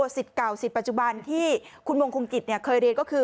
สิทธิ์เก่าสิทธิ์ปัจจุบันที่คุณวงคงกิจเคยเรียนก็คือ